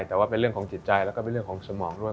แต่ว่าเป็นเรื่องของจิตใจแล้วก็เป็นเรื่องของสมองด้วย